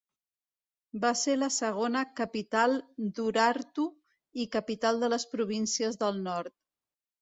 Va ser la segona capital d'Urartu i capital de les províncies del nord.